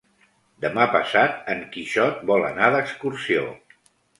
Demà passat en Quixot vol anar d'excursió.